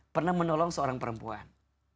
pernah menolong seorang perempuan